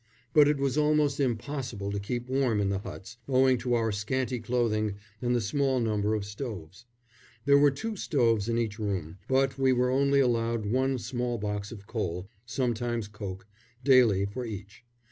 But it was almost impossible to keep warm in the huts, owing to our scanty clothing and the small number of stoves. There were two stoves in each room, but we were only allowed one small box of coal sometimes coke daily for each.